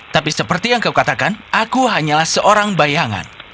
tapi seperti yang kau katakan aku hanyalah seorang bayangan